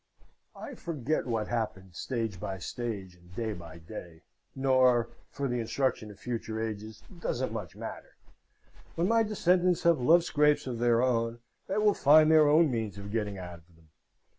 I forget what happened stage by stage and day by day; nor, for the instruction of future ages, does it much matter. When my descendants have love scrapes of their own, they will find their own means of getting out of them.